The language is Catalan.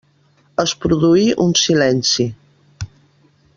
Es produí un silenci.